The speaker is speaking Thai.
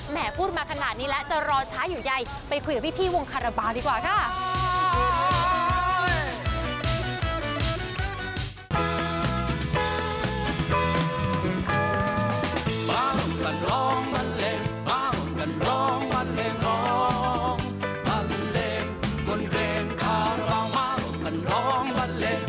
พูดมาขนาดนี้แล้วจะรอช้าอยู่ใยไปคุยกับพี่วงคาราบาลดีกว่าค่ะ